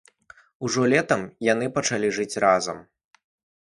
Ужо летам яны пачалі жыць разам.